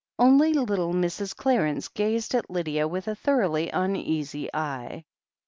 Only little Mrs. Qarence gazed at Lydia with a thoroughly uneasy eye.